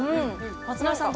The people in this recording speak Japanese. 松丸さん